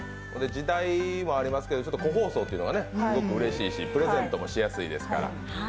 時代もありますけど、個包装というのもうれしいし、プレゼントもしやすいですから。